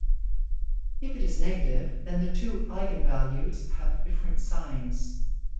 If it is negative then the two eigenvalues have different signs.